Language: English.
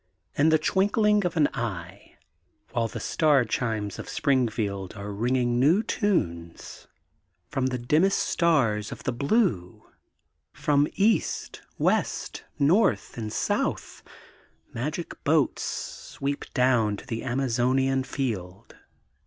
In the twinkling of an eye, while the star chimes of Springfield are ringing new tunes, from the dimmest stars of the blue, from east. 820 THE GOLDEN BOOK OF SPRINGFIELD west, north and sonth, magic boats sweep down to the Amazonian field.